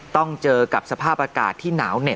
ต้องเจอกับสภาพอากาศที่หนาวเหน็